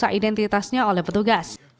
periksa identitasnya oleh petugas